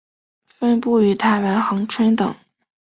分布于台湾恒春等。